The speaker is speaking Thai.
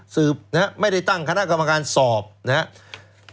สืบนะฮะไม่ได้ตั้งคณะกรรมการสอบนะครับ